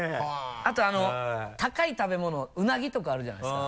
あと高い食べ物うなぎとかあるじゃないですか。